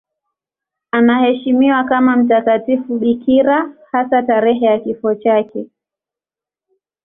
Anaheshimiwa kama mtakatifu bikira, hasa tarehe ya kifo chake.